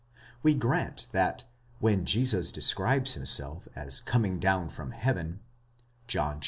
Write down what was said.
We grant that when Jesus de scribes himself as coming down from heaven (John iii.